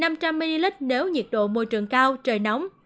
năm trăm linh ml nếu nhiệt độ môi trường cao trời nóng